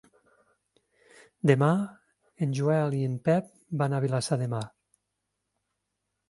Demà en Joel i en Pep van a Vilassar de Mar.